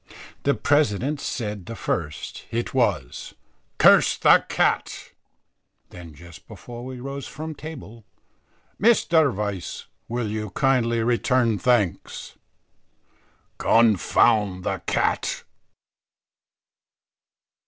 The president said the first; it was, "Curse the cat." Then just before we rose from table, "Mr. Vice, will you kindly return thanks." "Confound the cat."